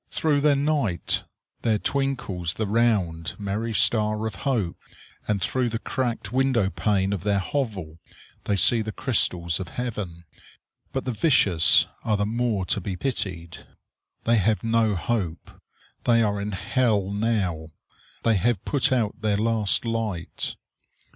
Through their night there twinkles the round, merry star of hope, and through the cracked window pane of their hovel they see the crystals of heaven. But the vicious are the more to be pitied. They have no hope. They are in hell now. They have put out their last light.